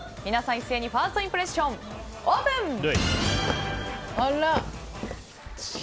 皆さん、一斉にファーストインプレッションオープン！